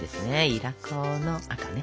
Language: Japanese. いら粉の赤ね。